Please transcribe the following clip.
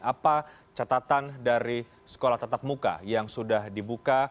apa catatan dari sekolah tetap muka yang sudah dibuka